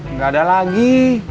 nggak ada lagi